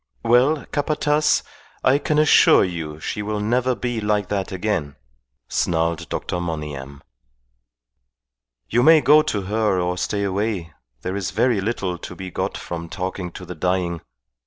"Well, Capataz, I can assure you she will never be like that again," snarled Dr. Monygham. "You may go to her or stay away. There is very little to be got from talking to the dying.